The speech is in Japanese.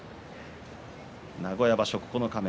名古屋場所九日目